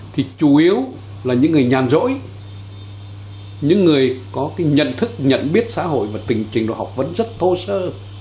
thì chủ yếu là những người nhàn rỗi những người có cái nhận thức nhận biết xã hội và tình trình độ học vấn rất thô sơ